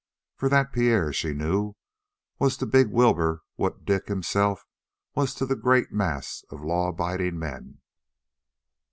For that Pierre, she knew, was to big Wilbur what Dick himself was to the great mass of law abiding men.